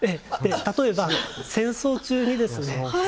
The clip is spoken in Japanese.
例えば戦争中にですね